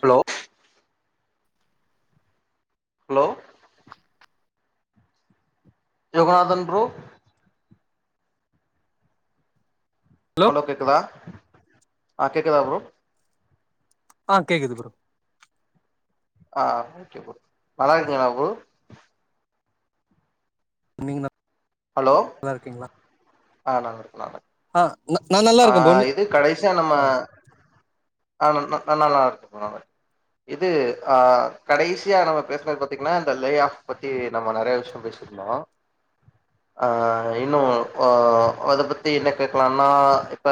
Hello hello Yoganathan bro hello கேக்குதா ஆ கேக்குதா ப்ரோ ஆ கேக்குது ப்ரோ ஆ ஓகே ப்ரோ நல்லா இருக்கீங்களா ப்ரோ நீங்க ஹலோ நல்லா இருக்கீங்களா ஆ நல்லா இருக்க நல்லா இருக்க ஆ நா நல்லா ஆ இருக்கே ப்ரோ நீ இது கடைசியா நம்ம ஆ ஆ நா நல்லா இருக்க நல்லா இது ஆ கடைசியா நம்ம பேசுனது பாத்தீங்கன்னா இந்த லே ஆஃப் பத்தி நம்ம நெறைய விஷயோ பேசி ருந்தோ ஆ இன்னு ஆமா அத பத்தி என்ன கேக்கலானா இப்ப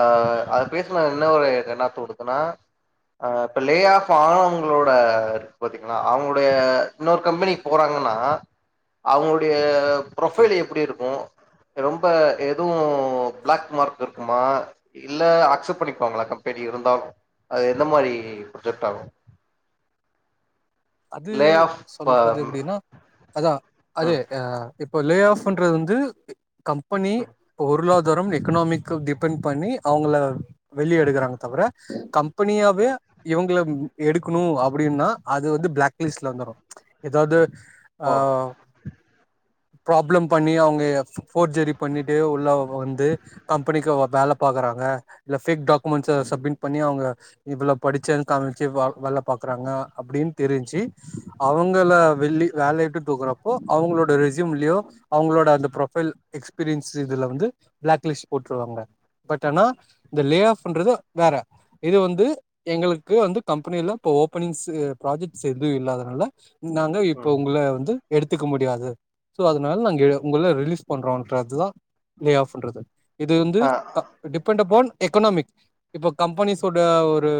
ஆ அது பேசின என்ன ஒரு எண்ணாத்து குடுக்குனா ஆ இப்ப லே ஆஃப் ஆனவங்களோட இருக்கு பாத்தீங்கன்னா அவங்களுடைய இன்னொரு கம்பெனிக்கி போறாங்கன்னா அவங்களுடைய ஓகே புரொபைல் எப்டி இருக்கு ரொம்ப எதுவு பிளாக் மார்க் இருக்குமா இல்ல ஆக்செப்ட் பண்ணிப்பாங்களா கம்பெனி இருந்தாலு அது எந்த மாரி புரொஜெக்ட் ஆகு அது லே ஆஃப் ப சொல்றது ம் எப்டின்னா அதா அது ம் ஆ இப்ப லே ஆஃப்ன்றது வந்து கம்பெனி பொருளா [unintelligible] எக்கனாமிக் டிபெண்ட் பண்ணி அவங்கள வெளிய எடுகிறாங்க தவிர கம் கம்பெனியாவே ம் இவங்க எடுக்கணு அப்டின்னா அது வந்து பிளாக்லிஸ்ட்ல வந்துரு ஏதாவது ஆ ஓ ப்ராப்ளம் பண்ணி அவங்க போர்ஜரி பண்ணிட்டு உள்ள வந்து கம்பெனிக்கு வேல பாக்கறாங்க இல்ல பேக் டாக்குமெண்ட்ஸ்ச சப்மிட் பண்ணி அவங்க இவ்ளோ படிச்சேன்னு காமிச்சு வேல பாக்குறாங்க அப்டின் தெரிஞ்சு அவங்கள வெள்ளி வேலைய விட்டு தூக்கறப்போ அவங்களோட ரெசியூம்லயோ அவங்களோட அந்த ப்ரொஃபைல் எக்ஸ்பீரியன்ஸ் இதுல வந்து பிளாக் லிஸ்ட் போட்டுருவாங்க பட் ஆனா இந்த லே ஆஃப்ன்றது வேற இது வந்து எங்களுக்கு வந்து கம்பெனில்லா இப்ப ஓபனிங்ஸ் ப்ராஜெக்ட்ஸ் எதுவு இல்லாதனால நாங்க இப்போ ம் உங்கள வந்து எடுத்துக்க முடியாது சோ அதனால நாங்க உங்கள ரிலீஸ் பண்றோன்றதுதா லே ஆஃப்ண்றது இது வந்து ஆ டிபெண்ட் அபான் எக்கனாமிக் இப்ப கம்பெனிஸ்ஸோட ஒரு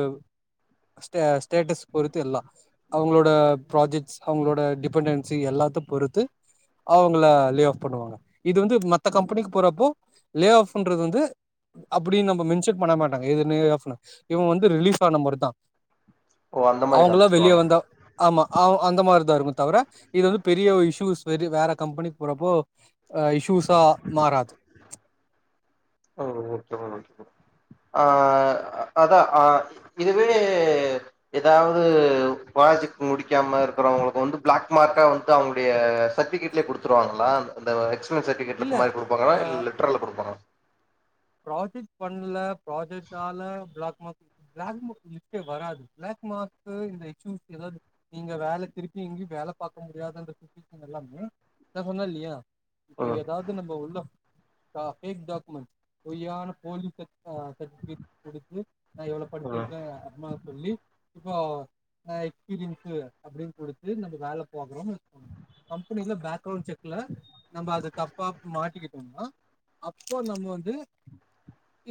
ஸ்டே ஸ்டேடஸ் பொருத்து எல்லா அவங்களோட ப்ராஜெக்ட்ஸ் அவங்களோட டிபென்டன்சி எல்லாத்த பொறுத்து அவங்க லே ஆஃப் பண்ணுவாங்க இது வந்து மத்த கம்பெனிக்கு போறப்போ லே ஆஃப்ன்றது வந்து அப்டின்னு நம்ம மென்ஷன் பண்ண மாட்டாங்க இது லே ஆஃப்ன்னு இவங்க வந்து ரிலீப் ஆன மாறிதா ஓ அந்த மாரி காமிச்சிருவாங்க வந்தா ஆமா அந்த மாரி தா இருக்கு தவிர இது வந்து பெரிய இஷ்யூஸ் வேற கம்பெனிக்கு போறப்போ ஆ இஷ்யூஸா மாறாது ஓ ஓகே ப்ரோ ஓகே ப்ரோ ஆ அதா ஆ இதுவே ஏதாவது பிராக்ஜெட் முடிக்காம இருக்கிறவங்களுக்கு வந்து பிளாக் மார்க்க வந்து அவங்களுடைய சர்ட்டிபிகேட் இதுலே குடுத்துருவாங்களா இந்த எக்ஸ்பீரியன்ஸ் இல்ல சட்விகேட்‌லக்கமாரி ஆ குடுப்பாங்களா இல்ல லெட்டர்ல குடுப்பாங்களா ப்ராஜெக்ட் பண்ல ப்ராஜெக்டாலல பிளாக் மார்க் பிளாக் மார்க் லிஸ்ட்டே வராது பிளாக் மார்க்கு இல்ல இஷ்ஷுஸ் எதாது நீங்க வேல திருப்பி எங்கியு வேல பாக்க முடியாதுன்ற [unintelligible] எல்லாமே நா சொன்னே‌ இல்லியா இப்ப ம் எதாவ்து நம்ம உள்ள‌ அ ஃபேக் டாகுமெண்ட் பொய்யான போலீ சட் [unintelligible] சட்விகேட் குடுத்து நா இவ்ளோ ம் படிச்சிருக்கே அத்மா சொல்லி இப்போ நா எக்ஸ்பீரியன்ஸு அப்டின் குடுத்து நம்ம வேல பாக்குறோன் வெச்சிக்கோங்க கம்பெனில பேக்ரவுண்ட் செக்ல நம்ம அது தப்பா மாட்டிக்கிட்டோனா அப்போ நம்ம வந்து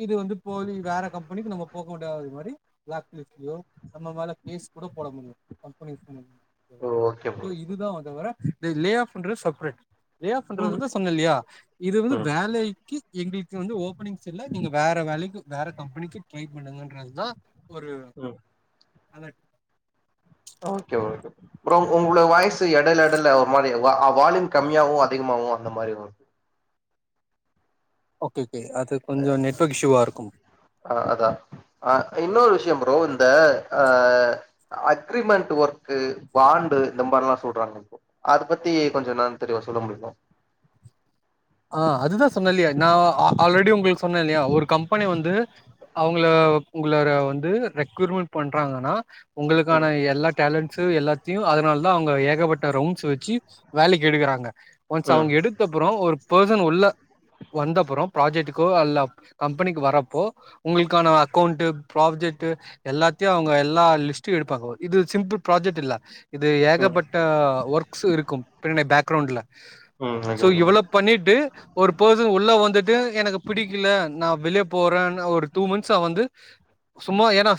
இது வந்து போலி வேற கம்பெனிக்கு நம்ம போக்கூடாது மாரி பிளாக் லிஸ்ட்லியோ நம்ம மேல கேஸ் கூட போட முடியு கம்பெனி சைட்ல ஓகே [unintelligible] சோ ப்ரோ இதுதா தவர இது லேயாஃபுன்றத் சப்ரேட் லே ஆஃப்ன்றது ம் நா தா சொன்னேலியா இது வந்து ம் வேலைக்கி எங்களுக்கு வந்து ஓப் பனிங்ஸ் இல்ல நீங்க வேற வேலைக்கு வேற கம்பெனிக்கு ட்ரை பண்ணுங்கன்றதுதா ஒரு ம் அலட் ஓகே ஓகே ப்ரோ உ உங்கள வாய்ஸ் எடைல எடல ஒரு மாரி வால்யூம் கம்மியாவு அதிகமவு அந்த மாரி வர் ஓகே ஓகே அது கொஞ்சோ நெட் ஒர்க் இஷ்யூவா இருக்கும் அ அதா அ இன்னொரு விஷ்யோ ஃப்ரோ இந்த அ அக்ரிமெண்ட் ஒர்க்கு பாண்டு இந்த மார்ல்லா சொல்றாங்ல ப்ரோ அது பத்தி கொஞ்சம் இன்னான் தெளிவா சொல்ல முடியுமா ஆ அதுதா சொன்னே இல்லியா நா ஆல்ரெடி உங்களுக்கு சொன்னே இல்லியா ஒரு கம்பெனி வந்து அவுங்கள உங்கள ர வந்து ரெக்ரூட்மெண்ட் பண்றாங்கனா ம் உங்களுக்கான எல்லா டேலண்ட்ஸு எல்லாத்தியு அதனால் தா அவுங்க ஏகப்பட்ட ரவுண்ட்ஸ் வெச்சு வேலைக்கு எடுக்குறாங்க ஒன்ஸ் ம் அவுங்க எடுத்தப்புறோ ஒரு பேசன் உள்ள வந்தப்பறோ ப்ராஜெக்டுக்கோ அல்ல கம்பெனிக்கு வர அப்போ உங்களுக்கான அக்கௌண்டு ப்ராஜெக்டு எல்லாத்தியு அவுங்க எல்லா லிஸ்ட்டு எடுப்பாங்கங்க இது சிம்பிள் ப்ராஜெக்ட் இல்ல இது ஏகப்பட்ட ஒர்க்ஸ் இருக்கு பின்னாடி பேக்ரவுண்டுல ம் ம் சோ ஓகே ப்ரோ இவ்வளோ பண்ணிட்டு ஒரு பேசன் உள்ள வந்துட்டு எனக்கு பிடிக்கில நா வெளிய போறேன்னு ஒரு டூ மந்த்ஸா வந்து சும்மா ஏனா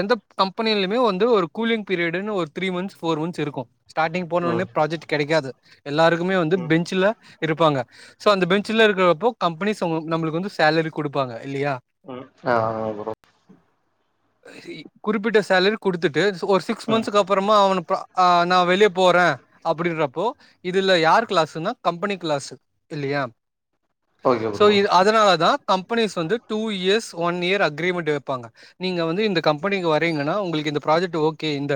எந்த கம்பெனியிலுமே வந்து ஒரு கூலிங் பீரியடுன்னு ஒரு த்ரீ மந்த்ஸ் ஃபோர் மந்த்ஸ் இருக்கு ஸ்டாடிங் போனோன்னே ம் ப்ராஜெக்ட் கெடைக்காது எல்லாருக்குமே வந்து ம் பெஞ்சில இருப்பாங்க சோ அந்த பெஞ்சுல இருக்கறப்போ கம்பெனிஸ் உங் நம்மளுக்கு வந்து சேலரி குடுப்பாங்க இல்லியா ம் ஆமா ப்ரோ குறிப்பிட்ட சேலரி குடுத்துட்டு ஒரு சிக்ஸ் ம் மந்த்ஸ்க்கு அப் பறமா அவன ப அ நா வெளிய போறே அப்படின்றப்போ இதுல யாருக்கு லாஸ்ஸுன்னா கம்பெனிக்கு லாஸு இல்லியா ஓகே சோ ப்ரோ இ அதனால தா கம்பெனிஸ் வந்து two years one year agreement வெப்பாங்க நீங்க வந்து இந்த கம்பெனிக்கு வரீங்கனா உங்களுக்கு இந்த ப்ராஜெக்ட் ஓகே இந்த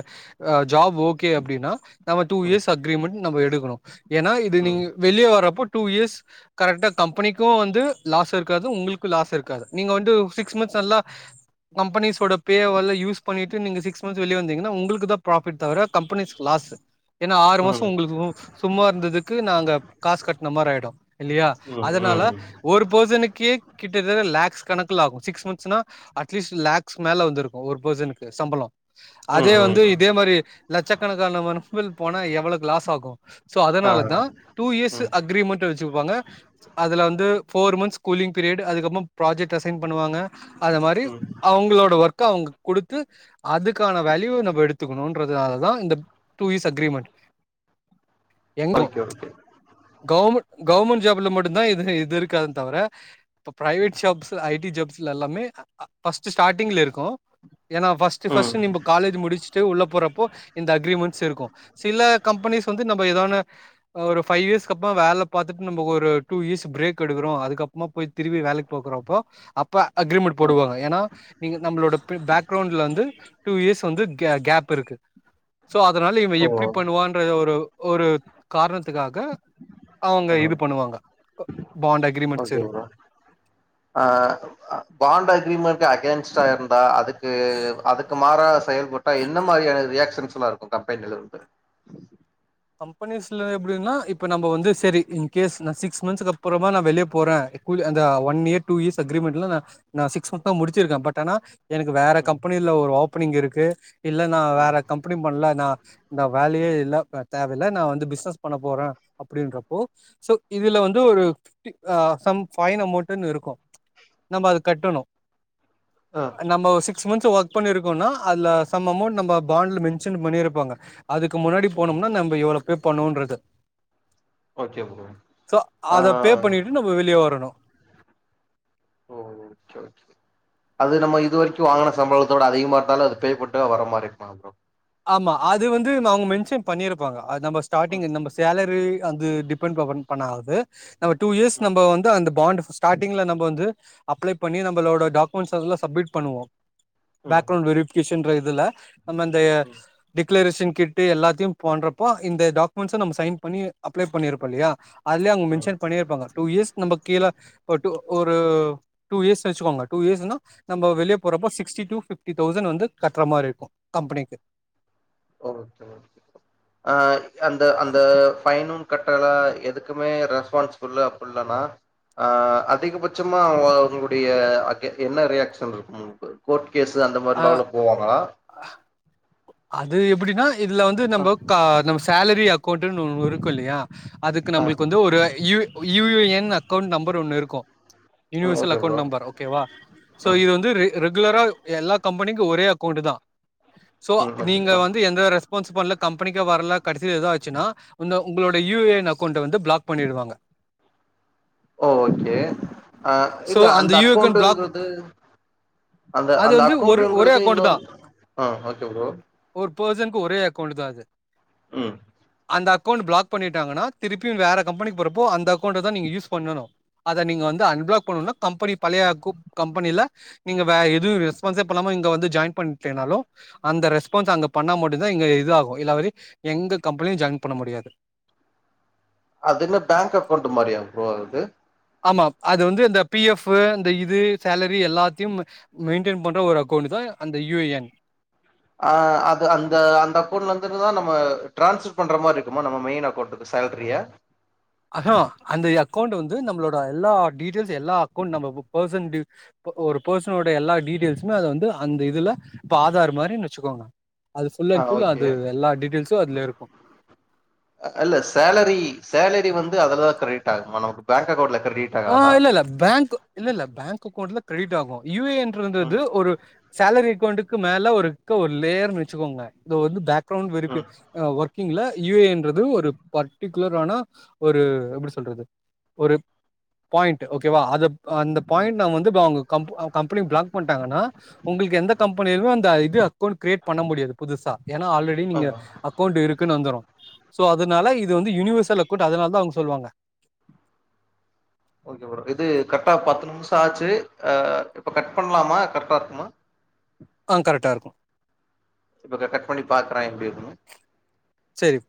ஜாப் ஓகே அப்டின்னா நம்ம டூ ம் இயர்ஸ் அக்ரிமெண்ட் நம்ம எடுக்கணு ஏனா இது ம் நீங்க வெளிய வரப்போ டூ இயர்ஸ் கரெக்ட்டா கம்பெனிக்கு வந்து லாஸ் இருக்காது உங்களுக்கு லாஸ் இருக்காது நீங்க வந்து சிக்ஸ் மந்த்ஸ் நல்லா கம்பெனிஸோட பேவால யூஸ் பண்ணிட்டு நீங்க சிக்ஸ் மந்த்ஸ் வெளிய வந்தீங்கனா உங்களுக்கு தா ப்ராஃபிட் தவிர கம்பெனிஸ்க் லாஸ் ஏனா ஆறு ம் ம் மாசோ உங்களுக்கு சும்மா இருந்ததுக்கு நாங்க காசு கட் ஆயிடு இல்லையா ம் அதனால ஒரு பேர்சனுக்கே கிட்ட தட்ட லாக்ஸ் கணக்குல ஆகு சிக்ஸ் மந்த்ஸ்னா அட்லீஸ்ட் லாக்ஸ் மேல வந்திருக்கு ஒரு பேர்சனுக்கு சம்பளோ ம் அதே வந்து ம் ம். இதே மாரி லட்சக்கணக்கான வர்ஃபில் போனா எவ்ளோ லாஸ் ஆகு சோ ஆ அதனாலதா டூ இயர்ஸ்சு ம் அக்ரிமெண்ட்டு வச்சுருப்பாங்க அதுல வந்து ஃபோர் மந்த்ஸ் கூலி்ங் பீரியட் அதுக்கப்புறமா ப்ராஜெக்ட் அசைன் பண்ணுவாங்க அத மாரி ம் அவங்களோட ஒர்க் க அவுங்க குடுத்து அதுக்கான வேல்யூ நம்ம எடுத்துக்கணுன்றதுனாலதா இந்த two years agreement okay okay government government ஜாப்ல மட்டுதா இது இது இருக்காது தவர பிரைவெட் ஜாப்ஸ் ஐடி ஜாப்ஸ்ல எல்லாமே ஃபஸ்ட்டு ஸ்டார்டிங்ல இருக்கு ஏன்னா ஃபர்ஸ்ட்டு ம் ஃபர்ஸ்ட்டு நீம்ப காலேஜ் முடிச்சுட்டு உள்ள போறப்போ இந்த அக்ரிமெண்ட்ஸ் இருக்கு சில கம்பெனிஸ் வந்து நம்ப எதான ஒரு ஃபைவ் இயர்ஸ் அதுக்கப்மா வேல பாத்துட்டு நம்ப ஒரு டூ இயர்ஸ் பிரேக் எடுக்கறோ அதுக்கப்புறமா போய் திரும்பி வேலைக்கு போகுறப்போ அப்ப அக்ரிமெண்ட் ம் போடுவாங்க ஏனா நீங்க நம்பளோட ப பேக்ரவுண்ட்ல வந்து டூ இயர்ஸ் வந்து கே கேப் இருக்கு சோ அதனால இவ ஓ எப்டி பண்ணுவான்ற ஒரு ஒரு காரணத்துக்காக அவுங்க இது ம் பண்ணுவாங்க பாண்ட் அக்ரிமெண்ட்ஸ் இருக்கு அ பாண்டு அக்ரிமெண்ட்டு அகைன்ஸ்ட்டா இருந்தா அதுக் கு அதுக்கு மாறா செயல்பட்டா என்ன மாரியான ரியாக்சன்ஸ்ல்லா இருக்கு கம்பெனில இருந்து கம்பெனிஸ்ல எப்டின்னா இப்ப நம்ம வந்து சரி இ கேஸ் நா சிக்ஸ் மந்த்ஸ்க்கு அப்பறமா நா வெளிய போற குள்ளே அந்த ஒன் இயர் டூ இயர் அக்ரிமெண்ட்ல ந நா சிக்ஸ் மந்த் தா முடிச்சிருக்க பட் ஆனா எனக்கு வேற ம் கம்பெனியில ஒரு ஓபனிங் இருக்கு இல்ல நா ம் வேற கம்பெனி பண்ல நா இந்தா வேலையே இல்ல தேவையில்ல நா வந்து பிஸ்னஸ் பண்ண போற அப்படின்றப்போ சோ இதுல வந்து ஒரு அ சம் ஃபைன் அமௌண்ட்ன்னு இருக்கு நம்ப அத கட்டணு அ நம்ப சிக்ஸ் மந்த்ஸ் ஒர்க் பண்ணிருக்கோனா அதுல சம் அமௌண்ட் நம்ம பாண்ட்ல மென்ஷன் பண்ணிருப்பாங்க அதுக்கு முன்னாடி ம் போனோம்னா நம்ப இவ்ளோ பே பண்ணோன்றது ஓகே ப்ரோ சோ ஆ அத பே பண்ணிட்டு நம்ம வெளிய வரணு ஓ ஓகே ஓகே அது நம்ம இது வரைக்கு வாங்கன சம்பளத்தோட அதிகமா இருந்தாலு அது பேப்பன்ட்டுதா வர மாரி இருக்குமா ப்ரோ ஆமா அது வந்து அவுங்க மென்ஷன் பண்ணி இருப் பாங்க அது நம்ப ஸ்டார்ட்டிங் ம் நம்ப சேலரி வந்து டிபெண்ட்கவர்ன் பண்ணாவுது நம்ம டூ இயர்ஸ் நம்ப வந்து அந்த பாண்டு ஸ்டாடிங்ல நம்ப வந்து அப்ளை பண்ணி நம்பளோட டாக்குமென்ஸ் அதுல்லா சப்மிட் பண்ணுவோ ம் பேக்ரௌண்ட் வெரிஃபிகேஷன்ற இதுல்ல நம்ம இந்தேய ம் ம் டிக்ளரேஷன் கிட்டு் எல்லாத்தையு பண்றப்போ இந்த டாக்குமெண்ட்ஸ நம்ம சைன் பண்ணி அப்ளை பண்ணிருப்போ இல்லையா அதுலயே அவுங்க ம் மென்ஷன் பண்ணிருப்பாங்க டூ இயர்ஸ் நம்ம கீழே பட்டு ஒரு டூ இயர்ஸ் வச்சுக்கோங்க டூ இயர்ஸ்ன்னா நம்ப வெளிய போறப்போ சிக்ஸ்டி டூ ஃபிஃப்டி தௌசண்ட் வந்து கட்ற மாரி இருக்கு கம்பெனிக்கு ஓகே ஓகே அ அந்த அந்த ஃபைனு கட்டல எதுக்குமே ரெஸ்பான்ஸ் ஃபுல்லு உள்ளனா ஆ அதிகபட்சமா அவுங்க உங்களுடைய என்ன ரியாக்ஷன் இருக்கு உங்களுக்கு கோர்ட் கேஸு அந்த மாரி அ லெவல்ல போவாங்களா அது எப்புடின்னா இதுல வந்து ஆ நம்ம க நம்ம சேலரி அக்கௌண்டுன்னு ஒன்னு‌ இருக்கு இல்லையா அதுக்கு ஆ நம்புளுக்கு வந்து ஒரு யு யுஏஎன் அக்கௌண்ட் நம்பர் ஒண்ணு இருக்கு ம் universal okay bro account number ஓகேவா சோ ம் இது வந்து ரெ ரெகுலரா எல்லா கம்பெனிக்கு ஒரே அக்கௌண்ட்தா சோ ம் ஓகே நீங்க ப்ரோ வந்து எந்த ரெஸ் போன்ஸ் பண்ல கம்பெனிக்கு வரல கடைசில எதாச்சுன்னா இந்த உங்களோட யுஏஎன் அக்கௌண்ட வந்து ப்ளாக் பண்ணிடுவாங்க ஓ ஓகே அ சோ, இல்ல அந்த யுஏஎன் பிளாக் அக்கௌண்ட்டுங்குறது அந்த அது அந்த வந்து ஒரு ஒரே அக்கௌண்ட்டுங்கறது அக்கவுண்ட் இன்னொரு தான். ஆ ஓகே ப்ரோ ஒரு பர்சனுக்கு ஒரே அக்கௌண்ட்டு தா அது ம் அந்த அக் அக்கௌண்ட் பிளாக் பண்ணிட்டாங்கன்னா திருப்பியு வேற கம்பெனிக்கு போறப்போ அந்த அக்கெளண்ட தா நீங்க யூஸ் பண்ணணு அத நீங்க வந்து அன்பிளாக் பண்ணுனா கம்பெனி பழைய கு கம்பெனில நீங்க வே எதுவு ரெஸ்பான்ஸே பண்ணாம இங்க வந்து ஜாயின் பண்ணிட்டேனாலு அந்த ரெஸ்பான்ஸ் அங்க பண்ணா மட்டு தா இங்க இதா ஆகு இல்லாவரி எங்க கம்பெனிலயு ஜாயின் பண்ண முடியாது அது என்ன பேங்க் அக்கௌண்ட் மாரியா ப்ரோ அது ஆமா அது வந்து இந்த பி எஃப்பு இந்த இது சேலரி எல்லாத்தையும் மெயின்டெயின் பண்ற ஒரு அக்கௌண்ட் தா அந்த யுஏஎன் ஆ அது அந்த அந்த அக்கௌண்ட்ல இருந்துதா நம்ம டிரான்ஸ்பர் பண்ற மாறி இருக்குமா நம்ம மெயின் அக்கௌண்ட்க்கு சால்ரியா [unintelligible] அந்த அக்கௌண்ட் வந்து நம்மளோட எல்லா டீடெய்ல்ஸ் எல்லா அக்கௌண்ட் நம்ம பர்சன் டி ஒரு பெர்சனோட எல்லா டீடெய்ல்ஸ்ஸுமே அத வந்து அந்த இதுல இப்ப ஆதார் மாரின் வச்சுக்கோங்க அது ஃபுல் ஆ அன் புல் ஓகே அது எல்லா டிடெயில்ஸு அதுல இருக்கு அ அல்ல சேலரி சேலரி வந்து அதுலதா கிரெடிட் ஆகுமா நமக்கு பேங்க் அக்கௌண்ட்ல கிரெடிட் ஆ ஆகாதா இல்ல இல்ல பேங்க் இல்ல இல்ல பேங்க் அக்கௌண்ட்ல கிரெடிட் ஆகு ம் யுஏஎன்றது ஒரு சேலரி அக்கௌண்ட்டுக்கு மேல ஒரு க்க ஒரு லேயர்னு வச்சுக்கோங்களே இத வந்து பேக்ரவுண்ட் வெறிஃபிகே ம் அ ஒர்க்கிங்ல யுஏஎன்றது ஒரு பர்ட்டிகுலரான ஒரு எப்படி சொல்றது ஒரு பாயிண்ட் ஓகேவா அது அந்த ம் பாயிண்ட அவுங்க வந்து அவுங்க கம்ப்பு கம்பெனி பிளாக் பண்ட்டாங்கன்னா உங்களுக்கு எந்த கம்பெனிலமே அந்த இது அக்கவுண்ட் கிரியேட் பண்ண முடியாது புதுசா ஏனா ஆல்ரெ டி ஆ நீங்க அக்கவுண்ட் இருக்குன்னு வந்துரு சோ அதுனால இது வந்து யூனிவர்சல் அக்கவுண்ட் அதனால தா அவுங்க சொல்லுவாங்க ஓகே ப்ரோ இது கரெக்டா பத்து நிமிஷ ஆ ஆச்சு இப்ப கட் பண்ணலாமா கரெக்டா இருக்குமா ஆ கரெடா இருக்கு இப்ப க கட் பண்ணி பாக்குறே எப்டி இருக்குனு சேரி